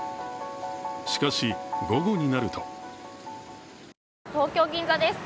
しかし、午後になると東京・銀座です。